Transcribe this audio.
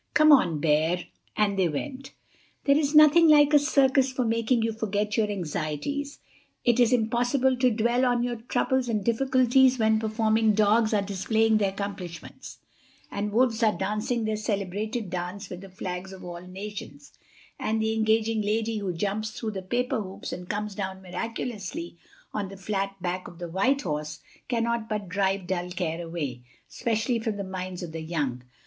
"Come on, Bear." And they went. There is nothing like a circus for making you forget your anxieties. It is impossible to dwell on your troubles and difficulties when performing dogs are displaying their accomplishments, and wolves dancing their celebrated dance with the flags of all nations, and the engaging lady who jumps through the paper hoops and comes down miraculously on the flat back of the white horse, cannot but drive dull care away, especially from the minds of the young.